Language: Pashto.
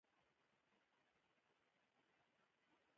عثمانیانو د همدې پېړۍ په ترڅ کې پاتې سیمې لاندې کړې.